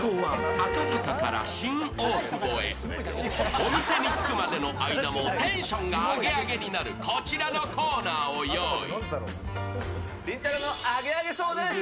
お店に着くまでの間もテンションがアゲアゲになるこちらのコーナーを用意。